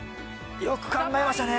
よく考えましたね。